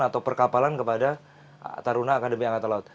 atau perkapalan kepada taruna akademi angkatan laut